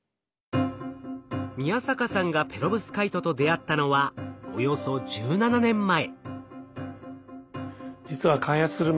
宮坂さんがペロブスカイトと出会ったのはおよそ１７年前。